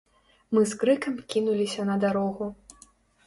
Мы з крыкам кінуліся на дарогу.